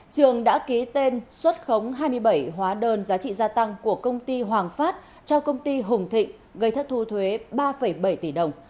trường đã ký tên xuất khống hai mươi bảy hóa đơn giá trị gia tăng của công ty hoàng phát cho công ty hùng thịnh gây thất thu thuế ba bảy tỷ đồng